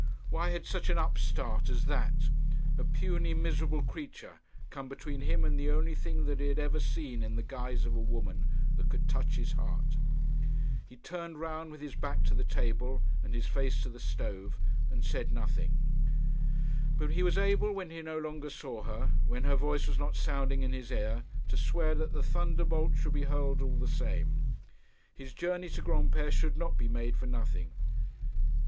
Why had such an upstart as that, a puny, miserable creature, come between him and the only thing that he had ever seen in the guise of a woman that could touch his heart? He turned round with his back to the table and his face to the stove, and said nothing. But he was able, when he no longer saw her, when her voice was not sounding in his ear, to swear that the thunderbolt should be hurled all the same. His journey to Granpere should not be made for nothing.